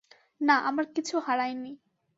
না, আমার কিছু হারায় নি।